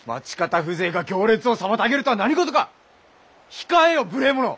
控えよ無礼者！